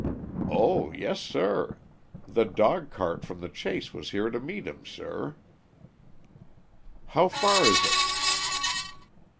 "Oh yes, sir! The dog cart from the Chase was here to meet him, sir." "How far is it?"